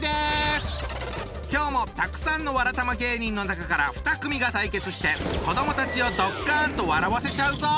今日もたくさんのわらたま芸人の中から２組が対決して子どもたちをドッカンと笑わせちゃうぞ！